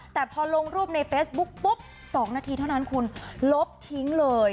แต่พอลงรูปในเฟซบุ๊กปุ๊บ๒นาทีเท่านั้นคุณลบทิ้งเลย